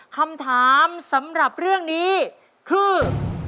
คำถามสำหรับเรื่องนี้คือ